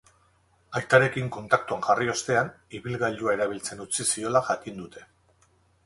Aitarekin kontaktuan jarri ostean, ibilgailua erabiltzen utzi ziola jakin dute.